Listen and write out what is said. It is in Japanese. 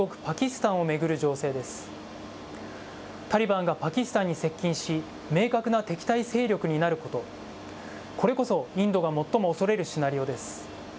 タリバンがパキスタンに接近し、明確な敵対勢力になること、これこそインドが最も恐れるシナリオです。